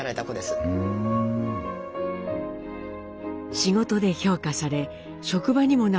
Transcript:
仕事で評価され職場にもなじんだ晴子。